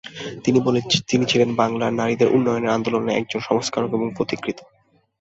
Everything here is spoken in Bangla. তিনি ছিলেন বাংলায় নারীদের উন্নয়নের আন্দোলনের একজন সংস্কারক ও পথিকৃৎ।